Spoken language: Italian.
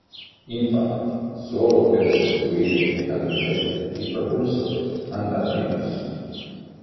Infatti, solo per sostituire le candele il propulsore andava rimosso.